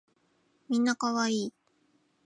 みんな可愛い